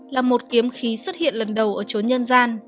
là một kiếm khí xuất hiện lần đầu ở chốn nhân gian